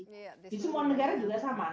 di semua negara juga sama